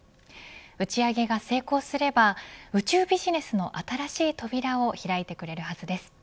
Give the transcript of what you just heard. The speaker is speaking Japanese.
打ち上げが成功すれば宇宙ビジネスの新しい扉を開いてくれるはずです。